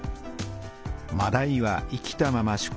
まだいは生きたまま出荷されます。